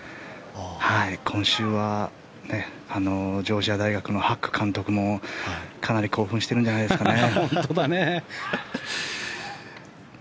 今週はジョージア大学の監督も、かなり興奮してるんじゃないでしょうかね。